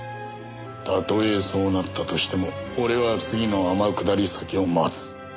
たとえそうなったとしても俺は次の天下り先を待つ。